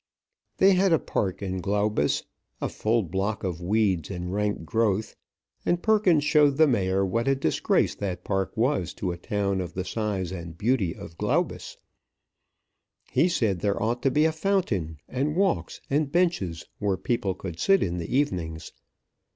They had a park in Glaubus, a full block of weeds and rank growth, and Perkins showed the mayor what a disgrace that park was to a town of the size and beauty of Glaubus. He said there ought to be a fountain and walks and benches where people could sit in the evenings.